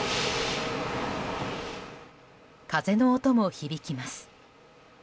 風の音も響きます。